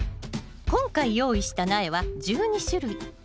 今回用意した苗は１２種類。